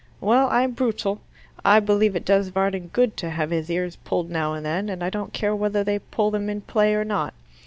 Well, I'm brutal. I believe it does Varden good to have his ears pulled now and then, and I don't care whether they pull them in play or not.